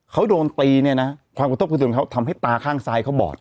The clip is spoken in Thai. เขาโดนตีเนี้ยนะความขอโทษของเขาทำให้ตาข้างซ้ายเขาบอด